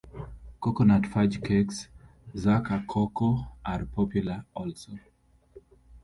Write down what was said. Coconut fudge cakes, 'Zucre Coco', are popular also.